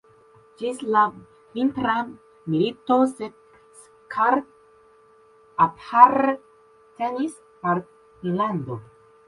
Ĝis la Vintra milito Seskar apartenis al Finnlando.